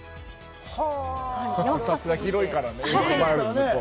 さすが、広いからね。